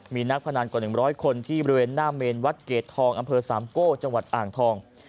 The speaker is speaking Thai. มีนักพนันกว่า๑๐๐คนที่บริเวณหน้าเมนวัดเกรดทองอำเภอสามโก้จังหวัดอ่างทอง